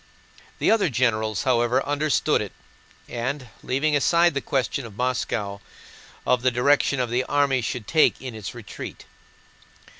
The other generals, however, understood it and, leaving aside the question of Moscow, spoke of the direction the army should take in its retreat.